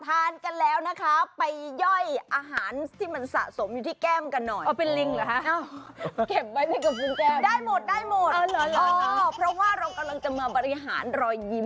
ทานกันแล้วนะคะไปหย่อยอาหารที่มันสะสมอยู่ที่แก้มกันหน่อย